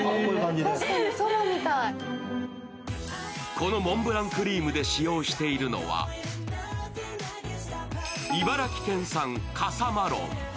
このモンブランクリームで使用しているのは茨城県産笠マロン。